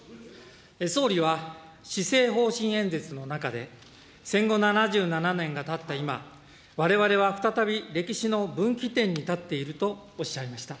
総理は施政方針演説の中で、戦後７７年がたった今、われわれは再び歴史の分岐点に立っているとおっしゃいました。